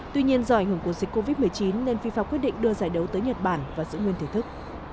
tuy nhiên do ảnh hưởng của dịch covid một mươi chín nên fifa quyết định đưa giải đấu tới nhật bản và giữ nguyên thể thức